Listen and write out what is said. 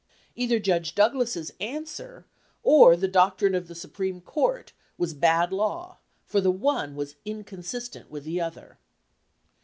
Either Judge Douglas's answer or the doctrine of the Supreme Court was bad law, for the one was inconsistent with the other.